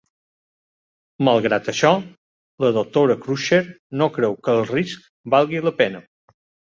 Malgrat això, la doctora Crusher no creu que el risc valgui la pena.